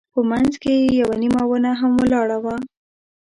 په منځ کې یوه نیمه ونه هم ولاړه وه.